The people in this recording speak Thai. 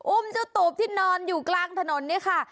อุ้มเจ้าตูบที่นอนอยู่กลางถนนเนี่ยค่ะ